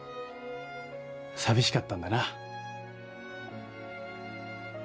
寂しかったんだな